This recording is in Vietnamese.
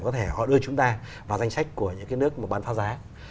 có thể họ đưa chúng ta vào danh sách của những cái nước mà bán phá giá